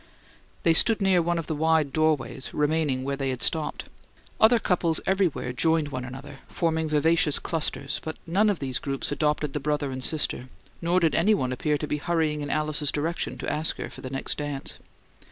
They stood near one of the wide doorways, remaining where they had stopped. Other couples, everywhere, joined one another, forming vivacious clusters, but none of these groups adopted the brother and sister, nor did any one appear to be hurrying in Alice's direction to ask her for the next dance.